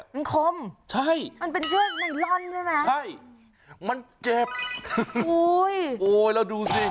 มันคมใช่มันเป็นเชือกไนลอนใช่ไหมใช่มันเจ็บอุ้ยโอ้ยแล้วดูสิ